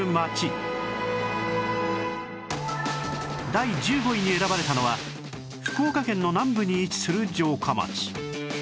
第１５位に選ばれたのは福岡県の南部に位置する城下町